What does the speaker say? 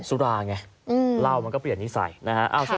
ซุราไงอืมเล่ามันก็เปลี่ยนนิสัยนะฮะอ้าว